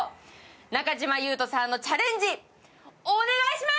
中島裕翔さんのチャレンジ、お願いします！